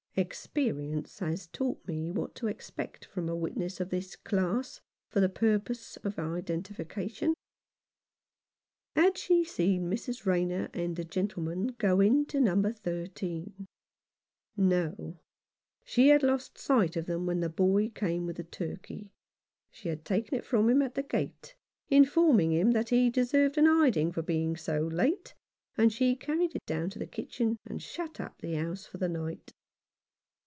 Experience has taught me what to expect from a witness of this class for the purpose of identifi cation. Had she seen Mrs. Rayner and the gentleman go into No. 13? No. She had lost sight of them when the boy came with the turkey. She had taken it from him at the gate, informing him that he deserved a hiding for being so late, and she carried it down to the kitchen and shut up the house for the night.